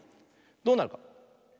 どうなるか？